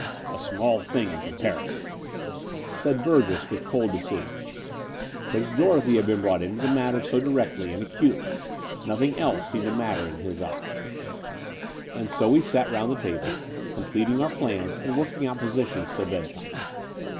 "A small thing in comparison," said Burgess with cold decision. Since Dorothy had been brought into the matter so directly and acutely nothing else seemed to matter in his eyes. 272 The Door of the Unreal And so we sat round the table, completing otir plans and working out positions till bedtime.